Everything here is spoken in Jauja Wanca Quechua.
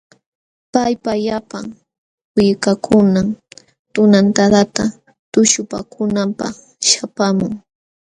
Paypa llapan willkankunam tunantadata tuśhupaakunanpaq śhapaamun.